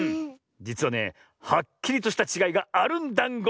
じつはねはっきりとしたちがいがあるんだんご。